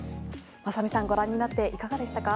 雅美さんご覧になっていかがでしたか。